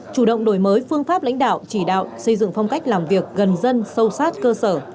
chủ động đổi mới phương pháp lãnh đạo chỉ đạo xây dựng phong cách làm việc gần dân sâu sát cơ sở